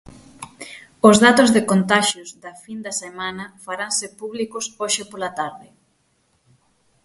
Os datos de contaxios da fin de semana faranse públicos hoxe pola tarde.